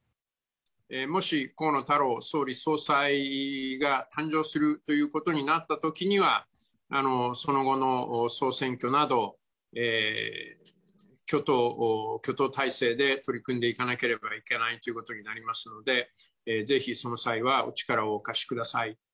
もし河野太郎総理総裁が誕生するということになったときには、その後の総選挙など、挙党体制で取り組んでいかなければいけないということになりますので、ぜひその際はお力をお貸しください。